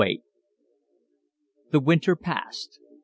CVIII The winter passed.